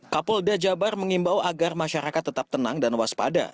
kapolda jabar mengimbau agar masyarakat tetap tenang dan waspada